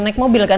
naik mobil kan